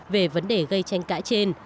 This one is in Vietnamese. về vấn đề gây tranh cãi trên